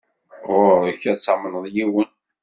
Ɣuṛ-k ad tamneḍ yiwen.